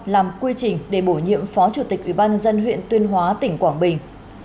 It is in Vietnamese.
làm quy trình để bổ nhiệm phó chủ tịch ủy ban nhân dân huyện tuyên hóa tỉnh quảng bình